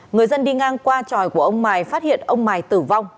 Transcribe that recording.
người dân đi ngang qua tròi của ông mài phát hiện ông mài tử vong